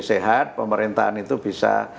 sehat pemerintahan itu bisa